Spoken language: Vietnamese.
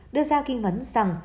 đưa ra kinh vấn rằng